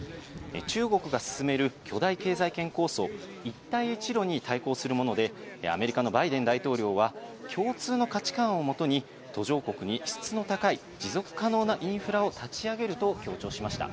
中国が進める巨大経済圏構想、一帯一路に対抗するもので、アメリカのバイデン大統領は、共通の価値観をもとに、途上国に質の高い持続可能なインフラを立ち上げると強調しました。